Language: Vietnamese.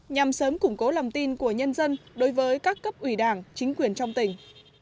nhằm sớm củng cố lòng tin của nhân dân đối với các cấp ủy đảng chính quyền trong tỉnh